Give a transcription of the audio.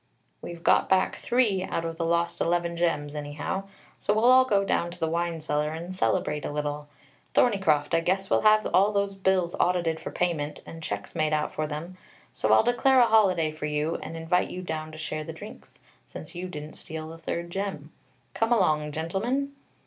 "We've got back three out of the lost eleven gems, anyhow, so we'll all go down to the wine cellar, and celebrate a little. Thorneycroft, I guess we have all those bills audited for payment, and checks made out for them, so I'll declare a holiday for you, and invite you down to share the drinks, since you didn't steal the third gem. Come along, gentlemen."